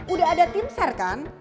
udah ada timsar kan